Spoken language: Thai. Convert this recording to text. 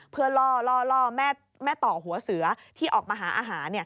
เพื่อล่อแม่ต่อหัวเสือที่ออกมาหาอาหาร